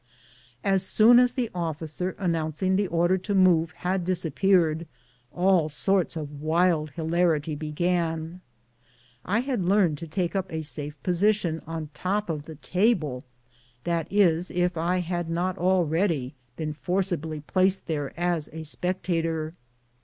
As soon as the officer announcing the order to move had disappeared, all sorts of wild hilarity began. I had learned to take up a safe position on top of the table ; that is, if I had 12 BOOTS AND SADDLER not already been forcibly placed there as a spectator.